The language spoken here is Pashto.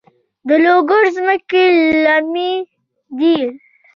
د لوګر ځمکې للمي دي